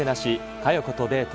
佳代子とデート